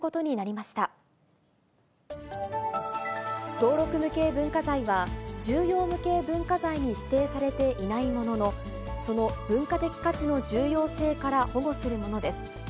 登録無形文化財は、重要無形文化財に指定されていないものの、その文化的価値の重要性から保護するものです。